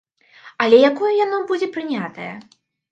Але якое яно будзе прынятае?